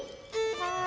はい。